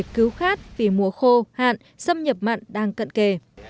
cứu khát vì mùa khô hạn xâm nhập mặn đang cận kề